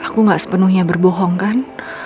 aku gak sepenuhnya berbohong kan